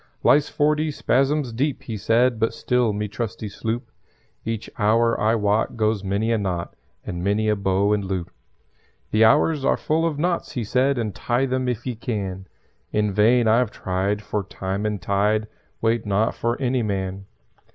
"Lies forty spasms deep," he said; "But still me trusty sloop Each hour, I wot, goes many a knot And many a bow and loop. "The hours are full of knots," he said, "Untie them if ye can. In vain I've tried, for Time and Tied Wait not for any man.